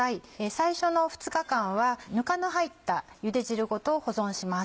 最初の２日間はぬかの入ったゆで汁ごと保存します。